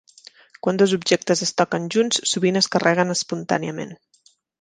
Quan dos objectes es toquen junts, sovint es carreguen espontàniament.